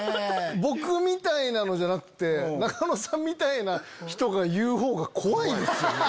僕みたいなのじゃなくて仲野さんみたいな人が言うほうが怖いんですよ。